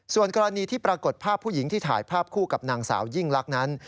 ส่วนกรณีที่ปรากฏภาพผู้หญิงที่ถ่ายภาพคู่กับนางสาวยิ่งลักษณ์นั้น